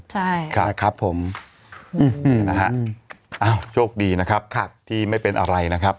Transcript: ใช่นะครับผมอืมนะฮะอ้าวโชคดีนะครับครับที่ไม่เป็นอะไรนะครับ